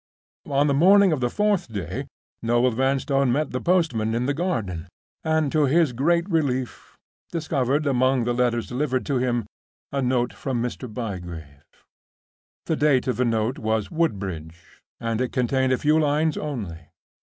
On the morning of the fourth day Noel Vanstone met the postman in the garden; and, to his great relief, discovered among the letters delivered to him a note from Mr. Bygrave. The date of the note was "Woodbridge," and it contained a few lines only.